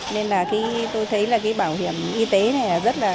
nên tôi thấy bảo hiểm y tế này rất là